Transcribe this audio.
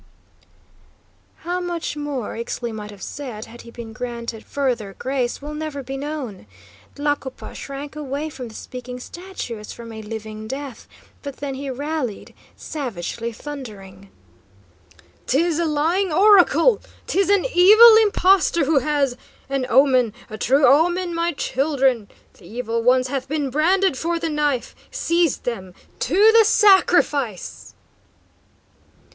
How much more Ixtli might have said, had he been granted further grace, will never be known. Tlacopa shrank away from the speaking statue as from a living death, but then he rallied, savagely thundering: "'Tis a lying oracle! 'Tis an evil impostor who has An omen! A true omen, my children! The evil ones hath been branded for the knife! Seize them! To the sacrifice!"